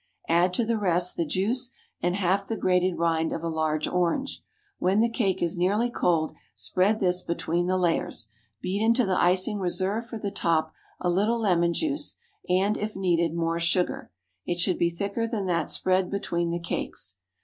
Add to the rest the juice and half the grated rind of a large orange. When the cake is nearly cold, spread this between the layers. Beat into the icing reserved for the top a little lemon juice, and, if needed, more sugar. It should be thicker than that spread between the cakes.